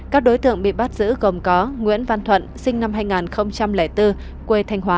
các đối tượng bị bắt giữ gồm có nguyễn văn thuận sinh năm hai nghìn bốn quê thanh hóa